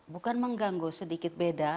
bukan mengganggu sedikit beda